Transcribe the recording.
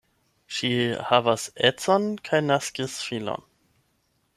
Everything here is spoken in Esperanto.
Ŝi havas edzon kaj naskis filon.